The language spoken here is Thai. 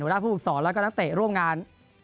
หัวหน้าภูมิศรูปสรรค์แล้วก็นักเตะร่วมงาน